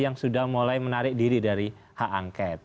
yang sudah mulai menarik diri dari hak angket